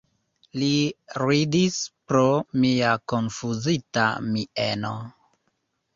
Li ridis pro mia konfuzita mieno.